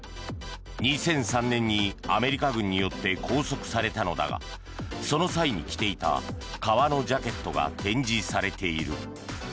２００３年にアメリカ軍によって拘束されたのだがその際に着ていた革のジャケットが展示されている。